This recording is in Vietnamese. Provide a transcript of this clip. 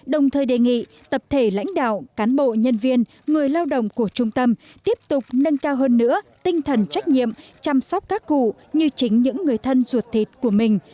đồng thời đề nghị tập thể lãnh đạo cán bộ nhân viên người lao động của trung tâm tiếp tục nâng cao hơn nữa tinh thần trách nhiệm chăm sóc các cụ như chính những người thân ruột thịt của mình